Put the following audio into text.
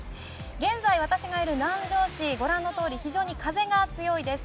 現在私がいる南城市、ご覧のとおり非常に風が強いです。